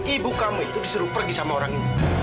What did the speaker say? ibu kamu itu disuruh pergi sama orang ini